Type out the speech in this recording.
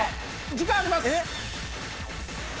時間あります。